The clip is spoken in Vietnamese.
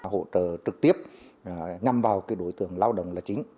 hỗ trợ trực tiếp nhằm vào đối tượng lao động là chính